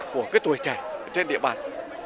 của cái tuổi trẻ trên địa bàn